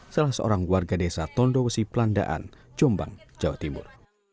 salah seorang warga desa tondowesi pelandaan jombang jawa timur